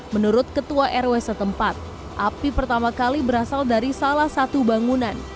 menurut ketua rw setempat api pertama kali berasal dari salah satu bangunan